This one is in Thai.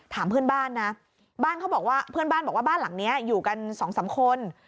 ถามเพื่อนบ้านนะเพื่อนบ้านบอกว่าบ้านหลังนี้อยู่กัน๒๓คน